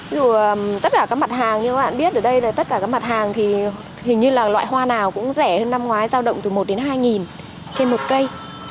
ví dụ tất cả các mặt hàng như các bạn biết ở đây là tất cả các mặt hàng thì hình như là loại hoa nào cũng rẻ hơn năm ngoái giao động từ một đến hai nghìn trên một cây